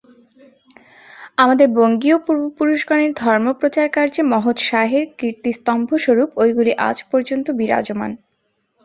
আমাদের বঙ্গীয় পূর্বপুরুষগণের ধর্মপ্রচারকার্যে মহোৎসাহের কীর্তিস্তম্ভস্বরূপ ঐগুলি আজ পর্যন্ত বিরাজমান।